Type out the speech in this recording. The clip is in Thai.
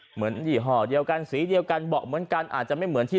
ยี่ห้อเดียวกันสีเดียวกันเบาะเหมือนกันอาจจะไม่เหมือนที่